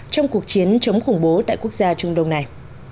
trong cuộc chiến chống khủng bố tại quốc gia trung đông này